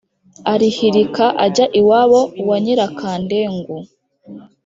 arihirika ajya iwabo wa nyirakandengu.